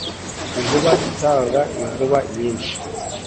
Inkuba itanga inkuba nyinshi